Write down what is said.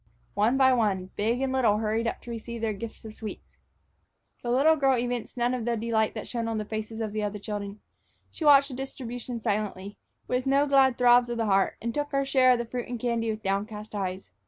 One by one, big and little hurried up to receive their gifts of sweets. The little girl evinced none of the delight that shone on the faces of the other children. She watched the distribution silently, with no glad throbs of the heart, and took her share of the fruit and candy with downcast eyes.